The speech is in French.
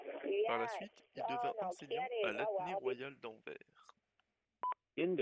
Par la suite, il devint enseignant à l'Athénée royal d'Anvers.